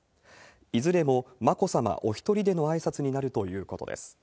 いずれも眞子さまお１人でのあいさつになるということです。